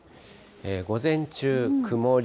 午前中、曇り。